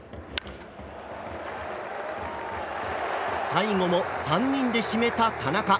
最後も３人で締めた田中。